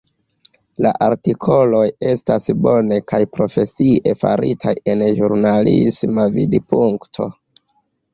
La artikoloj estas bone kaj profesie faritaj el ĵurnalisma vidpunkto.